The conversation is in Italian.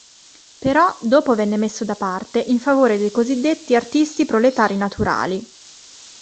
Però dopo venne messo da parte in favore dei cosiddetti “"artisti proletari naturali"”.